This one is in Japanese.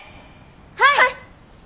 はい！